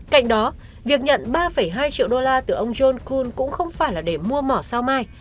cạnh đó việc nhận ba hai triệu đô la từ ông john kun cũng không phải là để mua mỏ sao mai